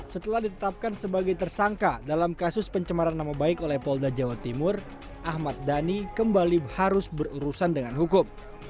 setelah ditetapkan sebagai tersangka dalam kasus pencemaran nama baik oleh polda jawa timur ahmad dhani kembali harus berurusan dengan hukum